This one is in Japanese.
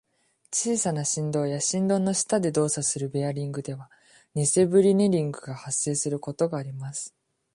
小さな振動や振動の下で動作するベアリングでは、偽ブリネリングが発生することがあります。